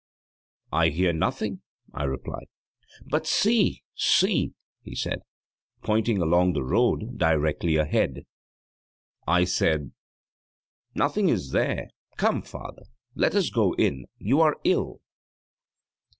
'I hear nothing,' I replied. 'But see see!' he said, pointing along the road, directly ahead. I said: 'Nothing is there. Come, father, let us go in you are ill.'